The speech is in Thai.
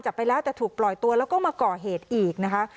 จะถูกปล่อยตัวแล้วก็มาเกาะเหตุอีกนะคะ